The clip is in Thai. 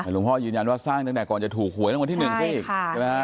หลวงพ่อยืนยันว่าสร้างตั้งแต่ก่อนจะถูกหวยรางวัลที่๑สิใช่ไหมฮะ